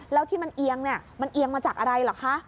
แล้วที่มันเอียงเนี่ยมันเอียงมาจากอะไรเหรอคะ